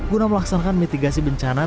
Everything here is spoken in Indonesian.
guna melaksanakan mitigasi bencana